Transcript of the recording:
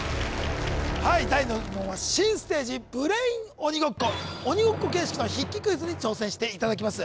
はい第二の門は新ステージブレイン鬼ごっこ鬼ごっこ形式の筆記クイズに挑戦していただきます